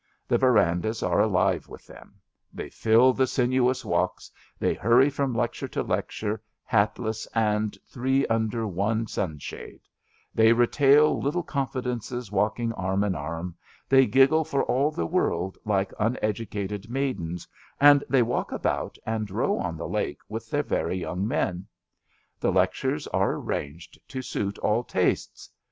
The verandahs are alive with them; they fill the sinuous walks; they hurry from lecture to lecture, hatless, and three under one sunshade; they retail little con fidences walking arm in arm; they giggle for all the world like uneducated maidens, and they walk about and row on the lake with their very young men. The lectures are arranged to suit all tastes.